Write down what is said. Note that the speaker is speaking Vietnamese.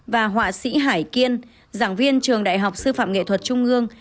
và họa sĩ hải kiên giảng viên trường đại học sư phạm nghệ thuật trung ương